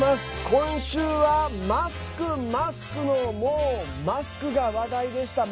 今週はマスク、マスクのもう、マスクが話題でした。